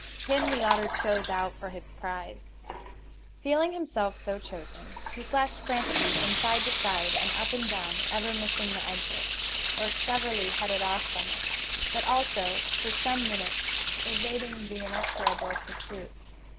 Him the otter chose out for his prize. Feeling himself so chosen, he flashed frantically from side to side, and up and down, ever missing the exit or cleverly headed off from it but also, for some minutes, evading the inexorable pursuit.